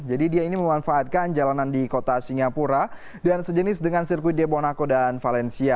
jadi dia ini memanfaatkan jalanan di kota singapura dan sejenis dengan sirkuit di bonaco dan valencia